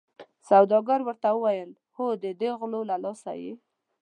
سوداګر ورته وویل هو ددې غلو له لاسه یې.